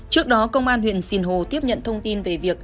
trước đó công an huyện sinh hồ tiếp nhận thông tin về việc